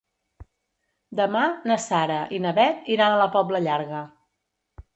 Demà na Sara i na Bet iran a la Pobla Llarga.